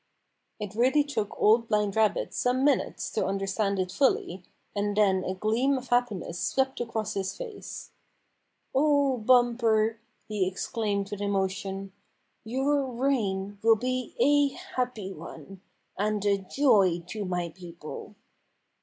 " It really took Old Blind Rabbit some minutes to understand it fully, and then a gleam of hap piness swept across his face. '' O Bumper," he exclaimed with emotion, "your reign will be a happy one, and a joy to my people.